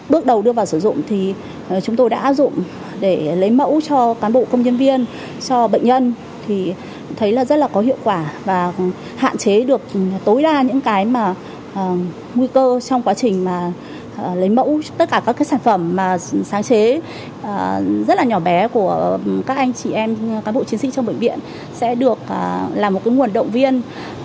bước đầu đưa vào sử dụng thì chúng tôi đã áp dụng để lấy mẫu cho cán bộ công nhân viên cho bệnh nhân thì thấy là rất là có hiệu quả và hạn chế được tối đa những cái mà nguy cơ trong quá trình mà lấy mẫu tất cả các cái sản phẩm mà sáng chế rất là nhỏ bé của các anh chị em cán bộ chiến sinh trong bệnh viện sẽ được là một cái nguồn động viên